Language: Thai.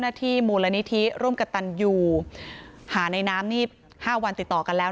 ที่มูลนิธิร่วมกับตันยูหาในน้ำนี่ห้าวันติดต่อกันแล้ว